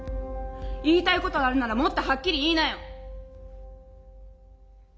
言いたいことあるならもっとはっきり言いなよ！」。